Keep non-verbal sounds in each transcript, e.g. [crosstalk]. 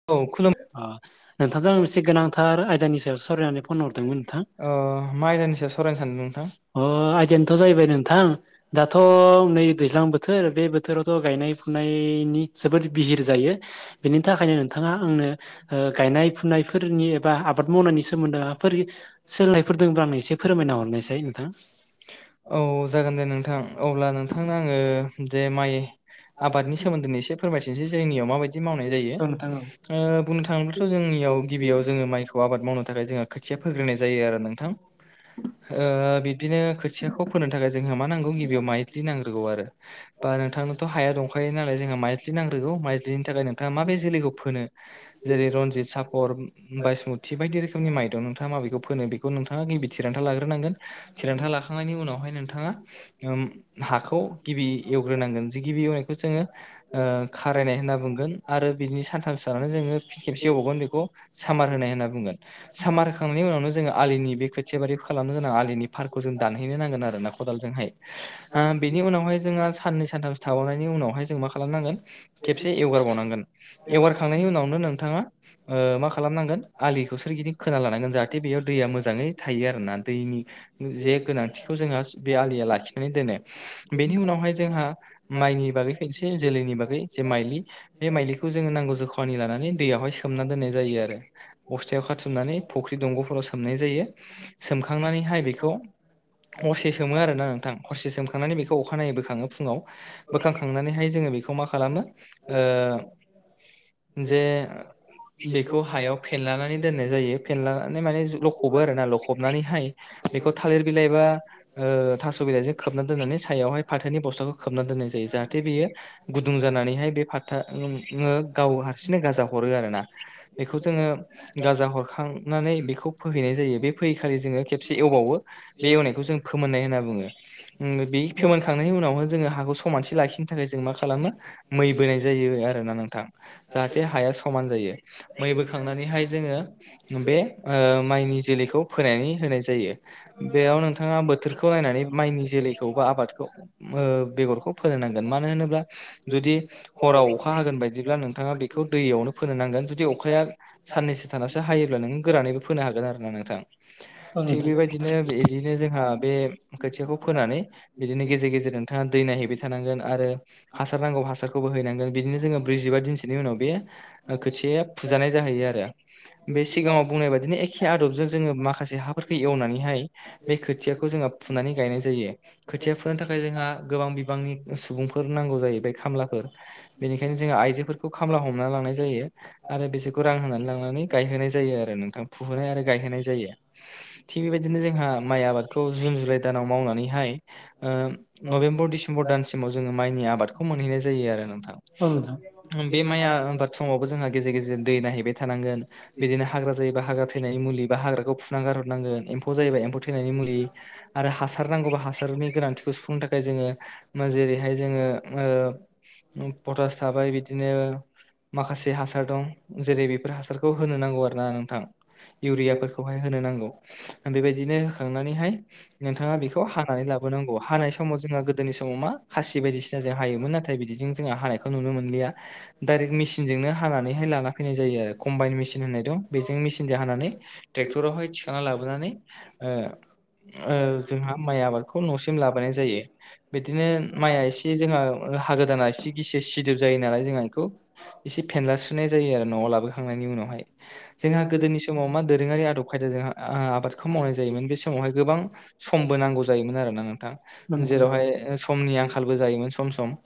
औ ओ खुलुम नोंथांजों आं मोनसे [unintelligible] गोनांथार अ आयदानि सायाव मा सावरायनानै फन आयदानि हरदोंमोन नोंथां सोयाव सावरायनो सानदों नोंथां? अ आयदियानोथ' जाहैबाय नोंथां दाथ' नै दैज्लां बोथोर बे बो थोरावथ' गायनाय फुनायनि जोबोद बिहिर जायो बेनि थाखायनो नोंथां नोंथाङा आंनो ओ गायनाय फुनायफोरनि एबा आबाद मावनायनि सोमोन्दै माबाफोर सोलोंनायफोर दंब्ला आंनो एसे फोरमायना हरनायसाय नोंथां। औ जागोन दे नोंथां अब्ला नोंथांनो आंङो दे माइ आबादनि सोमोन्दैनो एसे फोरमायफिनसै जोंनियाव माबायदि मावनाय औ जायो। नोंथां औ। ओ बुंनो थाङोब्लाथ' जोंनियाव गिबियाव जोंङो माइखौ आबाद मावनो थाखाय जोंहा खोथिया फोग्रोननाय जायो आरो नोंथां। ओ बिदिनो खोथियाखौ फोनो थाखाय जोंहा मा नांगौ गिबियाव माइ ल्जि नांग्रोगौ आरो। बा नोंथांनोथ' हाया दंखायो नालाय जोंहा माइज्लि नांग्रोगौ माइज्लिनि थाखाय नोंथाङा माबे जोलैखौ फोनो? जेरै रनजित सापर बाइसमुति बायदि रोखोमनि माइ दं नोंथाङा माबेखौ फोनो बे खौ नोंथाङा गिबि थिरांथा लाग्रोनांगोन थिरांथा लाखांनायनि उनावहाय नोंथाङा ओम हाखौ गिबि एवग्रोनांगोन जि गिबि एवनायखौ जोंङो ओ खारायनाय होनना बुंगोन। हार सारनो जोंङो खेबसे एवबावगोन बेखौ सामार होनाय होनना बुंगोन। सामार होखांनायनि उनावनो जोंङो आलिनि बे खोथिया बारि खालामनो गोनां आलिनि पारखौ जों दानहैनो नांगोन आरो ना खदाल जोंहाय। दा बेनि उनावहाय जोंहा साननै सानथामसो थाबावनायनि उनावहाय जों मा खालामनांगोन खेबसे एवगार बावनांगोन। एवगारखांनायनि उनावनो नोंथाङा ओ मा खालामनांगोन आलिखौ सोरगिदिं खोना लानांगोन जाहाथे बेयाव दैया मोजांङै थायो आरो ना दैनि जे गोनांथिखौ जोंहा बे आलिया लाखिनानै दोनो। बेनि उनावहाय जोंहा माइनि बागै एसे जोलैनि बागै जे माइलि बे माइलिखौ जोंङो नांगौ जखानि लानानै दैयावहाय सोमना दोननाय जायो आरो। बस्थायाव खाथुमनानै फुख्रि दंग'फोराव सोमनाय जायो। सोमखांनानैहाय बेखौ हरसे सोमो आरो ना नोंथां हरसे सोमखांनानै बेखौ अखा नायै बो खाङो फुङाव बोखांखांनानैहाय जोंङो बेखौ मा खालामो ओ जे बेखौ हायाव फेनलानानै दोननाय जायो फेनलानानै माने लख'बो आरो ना लखबनानैहाय बेखौ थालिर बिलाइ बा ओ थास' बिलाइजों खोबनानै दोननानै सायावहाय फाथोनि बस्थाखौ खोबना दोननाय जायो जाहाथे बियो गुदुं जानानैहाय बे फाथो आ ओम जोंङो गाव हारसिङैनो गाजा हरो आरो ना बेखौ जोंङो गाजा हरखांनानै बेखौ फोहैनाय जायो बे फोहै खालि जोंङो खेबसे एवबावो बे एवनाय बेखौ जों फोमोननाय होनना बुंङो ओम बे फोमोनखांनायनि उनाव जोंङो हाखौ समान थि लाखिनो थाखाय जों मा खालामो मै बोनाय जायो आरो ना नोंथां। जाहाथे हाया समान जायो। मै बोखांनानैहाय जोङो बे माइनि ओ जोलैखौ फोनानै होनाय जायो। बेयाव नोंथाङा बोथोरखौ नायनानै माइनि जोलैखौ बा आबादखौ ओ बेगरखौ फोनो नांगोन मानो होनोब्ला जुदि हराव अखा हागोन बायदि बिदिब्ला नोंथाङा बेखौ दैयावनो फोनो नांगोन जुदि अखाया साननैसो थानासो हायोब्ला नों गोराननैबो फोनो हागोन आरो ना नोंथां। औ थिग नोंथां। बेबायदिनो बिदिनो जोंहा बे खोथियाखौ फोनानै बिदिनो गेजेर गेजेर नोंथाङा दै नायहैबाय थानांगोन आरो हासार नांगौ हासारखौबो हैनांगोन बिदिनो जोंङो ब्रैजिबा दिनसोनि उनाव बे खोथिया आ फुजानाय जाहैयो आरो बे सिगांङाव बुंनाय बायदिनो ए खे आदबजों जोङो माखासे हाफोरखौ एवनानैहाय बे खोथियाखौ जोङो फुनानै गायनाय जायो। खोथिया फोनो थाखाय जोंहा गोबां बिबांनि सुबुंफोर नांगौ जाहैबाय खामलाफोर बेनिखायनो जोङो आइजोफोरखौ खामला हमना लांनाय जायो। आरो बिसोरखौ रां होनानै लांनानै गायहोनाय जायो आरो नोंथां फुहोनाय आरो गायहोनाय जायो। थिग बेबायदिनो जोंहा माइ आबादखौ जुन जुलाइ दानाव मावनानैहाय ओ नभेम्बर डिसेम्बर दानसिमाव जोङो माइनि आबादखौ मोनहैनाय जायो आरो नोंथां बे माइआ आबाद समावबो जोंहा गेजेर गेजेर दै नायहैबाय थानांगोन। बिदिनो हाग्रा जायोबा हाग्रा थैनायनि मुलि बा हाग्राखौ फुना गारहरनांगोन एम्फौ जायोबा आरो हासार नांगौबा हासारनि गोनांथि नो थाखाय जोङो जेरैहाय जोङो ओ पटास थाबाय बिदिनो माखासे हासार दं जेरै बेफोर हासारखौ होनो नांगौ आरो ना नोंथां इउरियाफोरखौहाय होनो नांगौ बेबायदिनो होखांनानैहाय नोंथाङा बेखौ हानानै लाबोनांगौ हानाय समाव जोंहा गोदोनि समाव मा खासि बायदिसिना जों हायोमोन नाथाय बिदिजों जोंहा हानाय खौ नुनो मोनलिया डाइरेक्ट मेचिनजोंनो हानानैहाय लाना फैनाय जायो आरो कम्बाइन मेसिन होननाय दं। बेजों मेचिनजों हानानै ट्रेक्टरावहाय थिखांना लाबोनानै ओ ओ जोंहा माइ आबादखौ न'सिम लाबोनाय जायो। बिदिनो माइआ एसे जोंहा हागो दाना एसे इसे सिदोब जायो नालाय जोंहा बेखौ इसे फेनलास्रोनाय जायो आरो न'आव लाबोखांनायनि उनावहाय जोंहा गोदोनि समाव मा दोरोङारि आदब खायदा जोंहा आ आबादखौ मावनाय जायोमोन बे समावहाय गोबां समबो नांगौ जायोमोन आरोना नोंथां जेरावहाय समनि आंखालबो जायोमोन सम सम नोंथां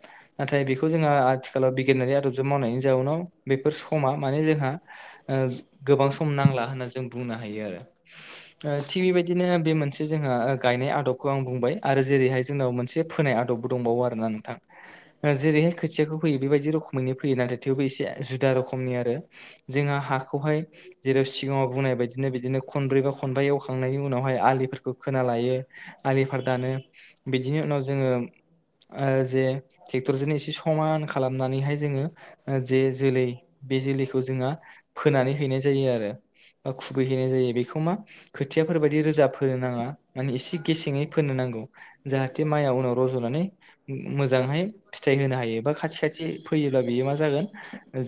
नाथाय बेखौ जोंहा आथिखालाव बिगियानारि आदबजों मावनायनि जाउनाव बेफोर समा माने जोंहा ओ गोबां सम नांला होनना जों बुंनो हायो आरो ओ थिग बेबायदिनो बे मोनसे जोंहा गायनाय आदब खौ आं बुंबाय आरो जेरैहाय जोंनाव मोनसे फोनाय आदबबो दंबावो आरोना नोंथां। जेरैहाय खोथियाखौ फैयो बेबायदि रोखोमैनो फैयो नाथाय थेवबो एसे जुदा रोखमनि आरो जोंहा हाखौहाय जेराव सिगाङाव बुंनाय बायदिनो बिदिनो खनब्रै बा खनबा एवखांनायनि उनावहाय आलिफोर खोना लायो आलिफोर दानो बिदिनि उनाव जोङो ओ जे ट्रेक्टरजोंनो एसे समान खालामनानैहाय जोङो जे जोलै बे जोलैखौ जोंहा फोनानै हैनाय जायो आरो बा खुबै हैैनाय जायो बेखौ मा खोथियाफोरबायदि रोजा फोनो नाङा माने एसे गेसेङै फोनो नांगौ। जाहाथे माइया उनाव रज'नानै मोजांहाय फिथाय होनो हायो बा खाथि खाथि फोयोब्ला बेयो मा जागोन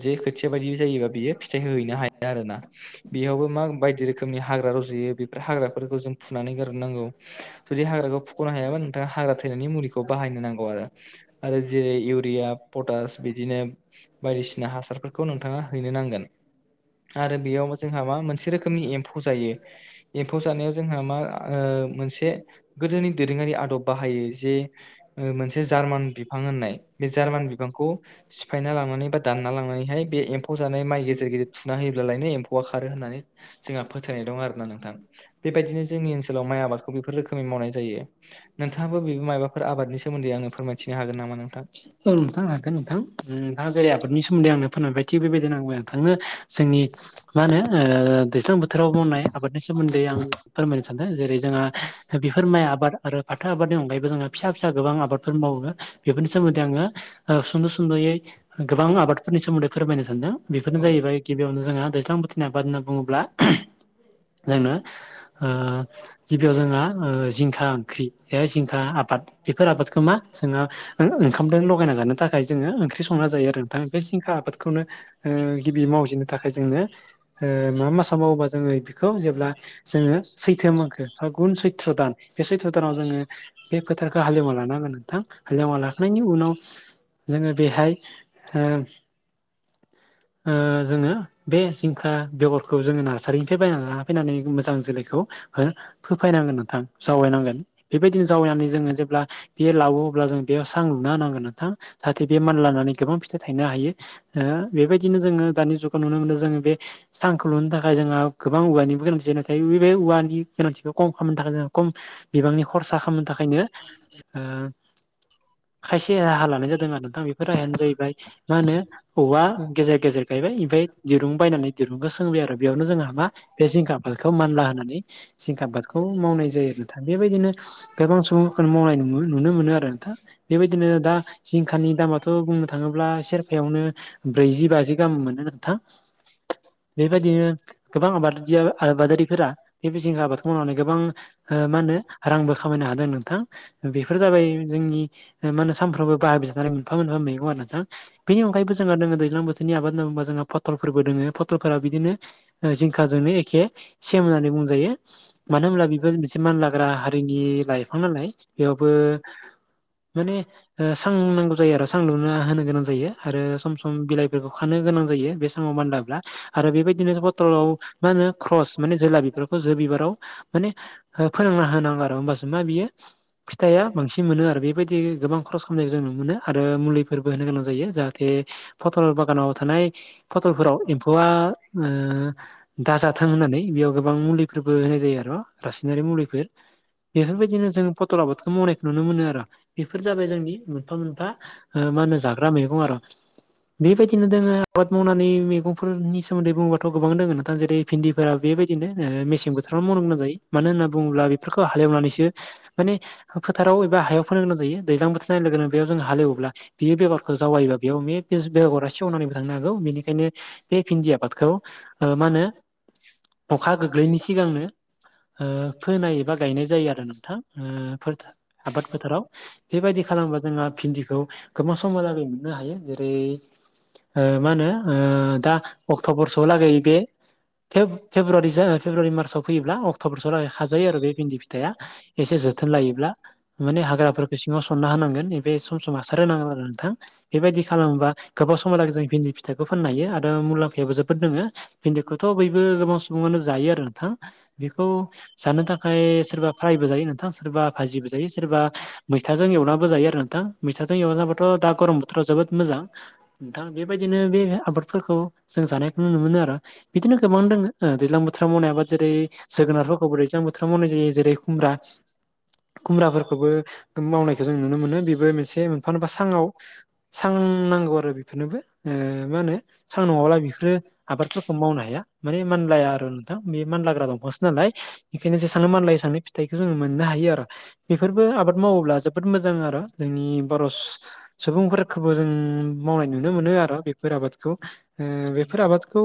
जे खोथिया बायदि जायोबा बियो फिथाइ होहैनो हायो। आरो ना बेयावबो मा बायदि रोखोमनि हाग्रा रज' यो बेफोर हाग्राफोरखौ जों फुनानै गारहरनांगौ जुदि हाग्राखौ फु ख'नो हायाबा नोंथाङा हाग्रा थैनायनि मुलिखौ बाहायनो नांगौ आरो आरो जेरै इउरिया पटास बिदिनो बायदिसिना हासारफोरखौ नोंथाङा हैनो नांगोन। आरो बेयाव जोंहा मा मोनसे रोखोमनि एम्फौ जायो एम्फौ जानायाव जोंहा मा ओ मोनसे गोदोनि दोरोङारि आदब बाहायो जे मोनसे जार्मान बिफां होननाय बे जार्मान बिफांखौ सिफायना लांनानै नानै बा दानना लांनानैहाय बे एम्फौ जानाय माइ गेजेर गेजेर थुना होयोब्लालायनो एम्फौआ खारो होननानै जोंहा फोथायनाय दं आरो ना नोंथां। बेबायदिनो जोंनि ओनसोलाव माइ आबादखौ बेफोर रोखोमै मावनाय जायो। नोंथाङाबो बेबो माइबाफोर आबादनि सोमोन्दै आंनो फोरमायथिनो हागोन नामा नोंथां? औ नोंथां हागोन नोंथां नोंथाङा जेरै आबादनि सोमोन्दै आंनो फोरमायबाय थिग बेबायदिनो आंबो नोंथांनो जोंनि मा होनो ओ दैज्लां बोथोराव मावनाय आबादनि सोमोन्दै आं फोरमायनो सानदों जेरै जोंहा बेफोर माइ आब आबाद आरो फाथो आबादनि अनगायैबो जोङो फिसा फिसा गोबां आबादफोर मावो बेफोरनि सोमोन्दै आङो ओ सुंद' सुंद'यै गोबां आबादफोरनि सोमोन्दै फोरमायनो सानदों बेफोरनो जाहैबाय गिबियावनो जोंहा दैज्लां बोथोरनि आबाद होनना बुङोब्ला जोंनो ओ गिबियाव जोंहा ओ जिंखा ओंख्रि जिंखा आबाद बेफोर आबादखौ मा जोङो ओ ओंखामदों लगायना जानो थाखाय जोङो ओंख्रि संना जायो आरो नोंथां बे जिंखा आबादखौनो ओ गिबियै मावजेन नो थाखाय जोंनो ओ मा मासाव मावोबा जोङो बेखौ जेब्ला जोङो सैथो मागो फागुन सैत्र' दान बे सैत्र दानाव जोङो बे फोथारखौ हालेवना लानांगोन नोंथां हालेवना लाखांनायनि उनाव जोङो बेहाय ओ ओ जोङो बे जिंखा बेगरखौ जोङो नार्सारिनिफ्राय बायना लाना फैनानै मोजां जोलैखौ फोफैनांगोन नोंथां जावैनांगोन बेबायदिनो जावैनानैनानै जोङो जेब्ला बे लावो अब्ला जों बेयाव सां लुना होनांगोन नोंथां जाहाथे बे मानलानानै गोबां फिथाइ थायनो हायो। ओ बेबायदिनो जोङो दानि जुगाव नुनो मोनो जोङो बे सांखौ लुनो थाखाय जोंहा गोबां औवानिबो गोनांथि जायो नाथाय बे औवानि गोनांथिखौ खम खालामनो थाखाय जोंहा खम बिबांनि खरसा खालामनो थाखायनो आ [unintelligible] ओ खायसे राहा लानाय जादों आरो नोंथां। राहायानो जाहैबाय मा होनो औवा गेजेर गेजेर गायबाय ओमफ्राय दिरुं बायनानै दिरुंखौ सोंबाय आरो बेयावनो जोंहा मा बे जिंखा आबादखौ मानला होनानै जिंखा आबादखौ मावनाय जायो नोंथां बेबायदिनो गोबां सुबुंफोरखौनो मावनाय न नुनो मोनो आरो नोंथा बेबायदिनो दा जिंखानि दामाथ' बुंनो थाङोब्ला सेरफायावनो ब्रैजि बाजि। गाहाम मोनो नोंथां बेबादिनो गोबां आबाद आबादारिफोरा बे बि जिंखा आबादखौ मावनानै गोबां ओ मा होनो रांबो खामायनो हादों नोंथां। बेफोर जाबाय जोंनि मा होनो सानफ्रोमबो बाहायबाय थानाय मोनफा मोनफा मैगं आरो नोंथां। बेनि अनगायबो जोंहा दोङो दैज्लां बोथोरनि आबाद होननानै जोंहा फटलफोरबो दोङो फटलफोरा बिदिनो जिंखाजोंनो एखे सेम होननानै बुंजायो। मानो होनब्ला बेबो मोनसे मानलाग्रा हारिनि लाइफां नालाय बेयावबो माने ओ सां नांगौ जायो आरो सांलुना होनो गोनां जायो आरो सम सम बिलाइ बेखौ खानो गोनां जायो बे समाव मानलाब्ला आरो बेबायदिनो पटल मा होनो क्रस माने जोला बिफोरखौ जो बिबाराव माने फोरोंना होनांगौ आरो होमबासो मा बियो फिथाइआ बांसिन मोनो आरो बेबायदि गोबां ख्रस खालामनायखौ जों नुनो मोनो आरो मुलिफोरबो होनो गोनां जायो जाहाथ बे फटल बागानाव थानाय फटलफोराव एम्फौआ ओ दाजाथों होननानै बेयाव गोबां मुलिफोरबो होनाय जायो आर' रासनारि मुलिफोर। बेफोरबायदिनो जों फटल आबादखौ मावनायखौ नुनो मोनो आरो बेफोर जाबाय जोंनि मोनफा मोनफा ओ मा होनो जाग्रा मैग आर'। बेबायदिनो दोङो आबाद मावनानै मैगंफोरनि सोमोन्दै बुङोबाथ' गोबां दङ नथां जेरै भिन्दिफोरा बेबायदिनो मेसें बोथोराव मावनो गोनां जायो मानो होनना बुङोब्ला बेफोरखौ हालेवनानैसो माने फोथाराव एबा हायाव फोनो गोनां जायो दैज्लां बोथोर जानाय लोगो लोगोनो बेयाव जों हाल एवोब्ला बेयो बेगरखौ जाववायोबा बेयाव [unintelligible] बेगरा सेवनानैबो थांनो हागौ बेनिखायनो बे भिन्दि आबादखौ मा होनो अखा गोग्लैयैनि सिगांनो ओ फोनाय एबा गायनाय जायो आरो नोंथां ओ आबाद फोथाराव बेबायदि खालामोबा जोंहा भिन्दिखौ गोबां समहालागै मोननो हायो जेरै ओ मा होनो ओ दा अक्ट'बरसो लागै बे पेब फेब्रुवारि मार्चआव फैयोब्ला अक्ट'बरसो लागि खाजायो आरो बे भिन्दि फिथया। एसे जोथोन लायोब्ला माने हाग्राफोरखौ सिङाव सनना होनांगोन बे सम सम हासार होनांगोन आरो नोंथां बेबायदि खालामोबा गोबाव समहालागै जों भिन्दि फिथाइखौ फोननो हायो आरो मुलामफायाबो जोबोद दोङो। भिन्दिखौथ' बयबो गोबां सुबुङानो जायो आरो नोंथां बेखौ जानो थाखाय सोरबा फ्रायबो जायो नोंथां सोरबा भाजिबो जायो सोरबा मैथाजों एवनाबो जायो आरो नोंथां मैथाजों एवनानैाबाथ' दा गरम बोथोराव जोबोद मोजां। नोंथां बेबायदिनो बे आबादफोरखौ जों जानायखौ नुनो मोनो आरो। बिदिनो गोबां दोंङो। दैज्लां बोथोराव मावनाय आबाद जेरै जोगोनारफोरखौबो दैज्लां बोथोराव मावनाय जायो जेरै खुमब्रा खुमब्राफोरखौबो मावनायखौ जों नुनो मोनो बेबो मोनसे मोनफा मोनफा साङाव सां नांगौ आरो बेफोरनोबो ओ मा होनो सां नङाब्ला बेफोरो आबादफोरखौ मावनो हाया माने मानलाया आरो नोंथां बे मानलाग्रा दंफांसो नालाय। बिखायनो जेसांनो मानलाय एसांनो फिथाइखौ जोङो मोननो हायो आरो। बेफोरबो आबाद मावोब्ला जोबोद मोजां आरो जोंनि बर' सुबुंफोरखौबो जों मावनाय नुनो मोनो आरो बेफोर आबाद- खौ ओ बेफोर आबादखौ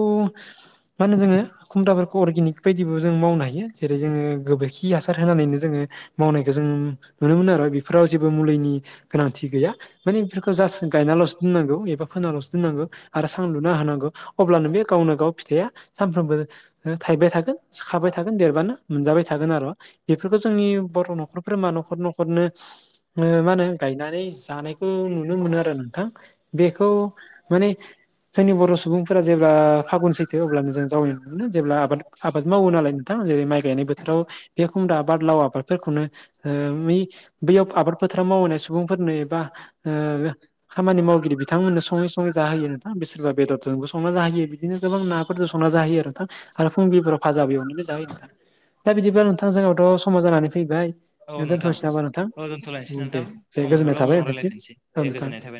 मा होनो जोङो खुमब्राफोरखौ अरगेनिक बायदिबो जों मावनो हायो जेरै जोङो गोबोरखि हासार होनानैनो जोङो मावनायखौ जों नुनो मोनो आरो बेफोराव जेबो मुलिनि गोनांथि गैया माने बेफोरखौ जा- स गायनाल'सो दोननांगौ एबा फोनाल'सो दोननांगौ। आरो सां लुना होनांगौ अब्लानो बे गावनो गाव फिथाइया सानफ्रोमबो थाइबाय थागोन। सिखाबाय थागोन देरबानो मोनजाबाय थागोन आरो बेफोरखौ जोंनि बर' न'खरफोरा मा न'खर न'खरनो मा होनो गायनानै जानायखौ नुनो मोनो आरो नों- थां बेखौ माने जोंनि बर' सुबुंफोरा जेब्ला फागुन सैथो अब्लानो जों जावैनो जेब्ला आबाद आबाद मावो नालाय नोंथां जेरै माइ गायनाय बोथोराव बे खुमब्रा आबाद लाव आबादफोरखौनो ओ बैयाव आबाद फोथाराव मावनाय सुबुंफोरनो एबा ओ खामानि माव बिथांमोननो सङै सङै जा होयो नोंथां बि सोरबा बेदरजोंबो संना जाहोयो बिदिनो गोबां नाफोरजों संना जाहैयो आरो नोंथां आरो फुंबिलिफोराव भाजा बो एवना जाहोयो नोंथां। दा बिदिब्ला नोंथां जोंनाथ' समाव जानानै फैबाय औ नोंथां दोनथ'नोसै नामा नोंथां? औ दोनथ'लायनोसै औ दे नोंथां दे सम गोजोननाय मोनोब्ला थाबाय उनाव नोंथांनिसिम रायलायफिनसै औ दे नोंथां गोजोननाय थाबाय